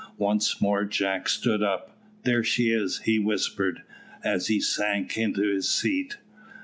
Once more Jack stood up. "There she is," he whispered, as he sank into his seat.